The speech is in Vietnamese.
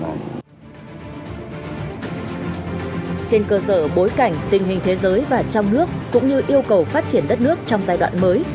trên cơ sở bối cảnh tình hình thế giới và trong nước cũng như yêu cầu phát triển đất nước trong giai đoạn mới